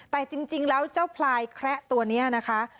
แต่จริงแล้วเจ้าพลายแคระตัวนี้นะคะ